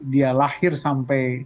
dia lahir sampai